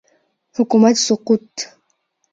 حکومت سقوط